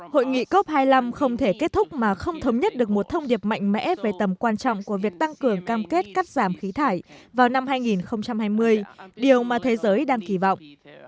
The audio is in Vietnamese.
hội nghị cop hai mươi năm không thể kết thúc mà không thống nhất được một thông điệp mạnh mẽ về tầm quan trọng của việc tăng cường cam kết cắt giảm khí thải vào năm hai nghìn hai mươi điều mà thế giới đang kỳ vọng